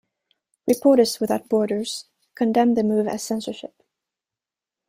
Reporters Without Borders condemned the move as censorship.